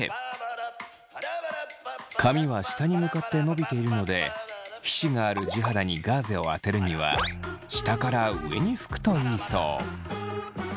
髪は下に向かって伸びているので皮脂がある地肌にガーゼをあてるには下から上に拭くといいそう。